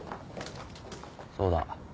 そうだ。